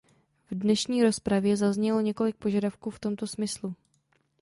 V dnešní rozpravě zaznělo několik požadavků v tomto smyslu.